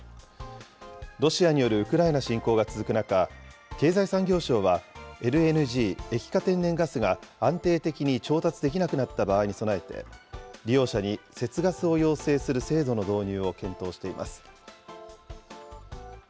ロシアによるウクライナ侵攻が続く中、経済産業省は、ＬＮＧ・液化天然ガスが、安定的に調達できなくなった場合に備えて、利用者に節ガスを要請する制度の導入を検討しています。